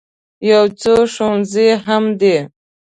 یو څو ښوونځي هم دي.